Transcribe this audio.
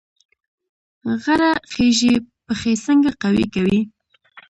غره خیژي پښې څنګه قوي کوي؟